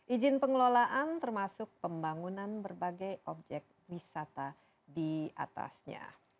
izin pengelolaan termasuk pembangunan berbagai objek wisata di atasnya